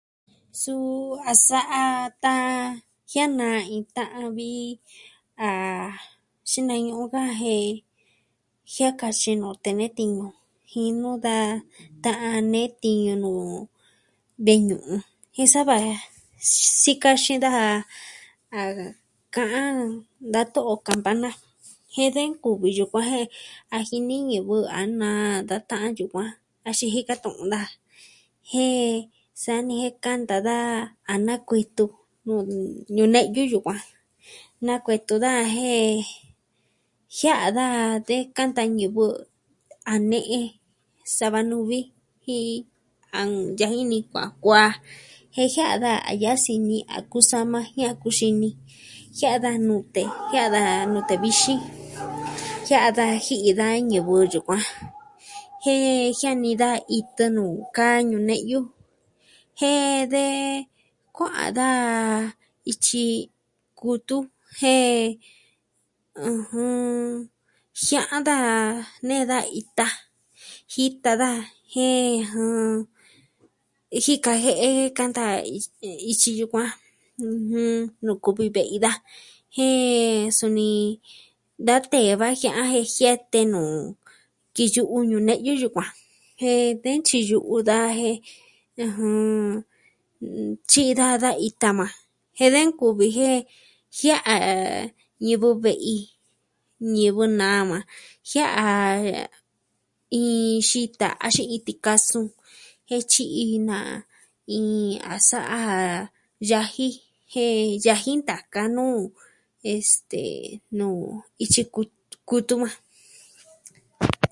Suu a sa'a tan jiaa na iin ta'an vi a... xina'ñu ka jen jiaa ka xinoo tee nee tiñu. jinu daa, da nee tiñu nuu ve'i ñu'un jen sava sikaxin daja a ka'an da to'o kampana jen de nkuvi yukuan jen a jini ñivɨ a naa da ta'an yukuan. Axin jika tu'un naa. Jen sa'a ni jen kanta daa a na kuitɨ nuu ñu'u ne'yu yukuan. Nakuetu da jen jiaa daa de nkanta ñivɨ a ne'e, sava nuvi, jin an yajini kuaa kuaa. Jen jiaa da yasini a kusama jin a kuxini. Jiaa daa nute, jiaa da nute vixin, jiaa daa ji'i da ñivɨ yukuan jen jiaa ni da itɨ nuu kaa ñuu neyu. jen de kua'an daa ityi kutu. Jen jiaan daa nee da ita. Jita daa jen, jika je'e kanta ityi yukuan. Nuu kuvi ve'i daa jen suni, da tee vaji a jiaa te nuu, kiyu u ñuu neyu yukuan. Jen, de ntyiyu da jen tyi'i daa da ita maa, jen de nkuvi jen jia'a ñivɨ ve'i, ñivɨ nama, jiaa iin xita axin iin tikasun jityi iin na, iin a sa'a yaji jen yaji ntaka nuu, este... nuu ityi ku, kutu maa.